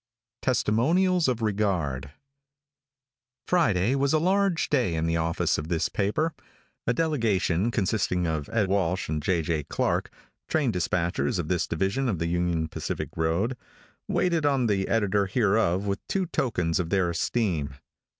TESTIMONIALS OF REGARD. |FRIDAY was a large day in the office of this paper. A delegation, consisting of Ed. Walsh and J. J. Clarke, train dispatchers of this division of the Union Pacific road, waited on the editor hereof with two tokens of their esteem.